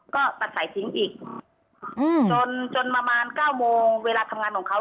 ก็ตัดสายทิ้งอีกจนจนประมาณ๙โมงเวลาทำงานของเขา